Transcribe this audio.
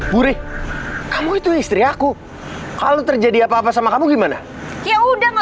bu ri kamu itu istri aku kalau terjadi apa apa sama kamu gimana ya udah gak